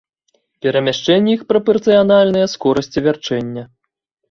Перамяшчэнні іх прапарцыянальныя скорасці вярчэння.